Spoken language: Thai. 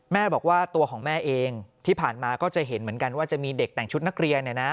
แม่บอกว่าตัวของแม่เองที่ผ่านมาก็จะเห็นเหมือนกันว่าจะมีเด็กแต่งชุดนักเรียน